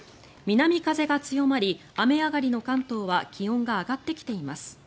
南風が強まり、雨上がりの関東は気温が上がってきています。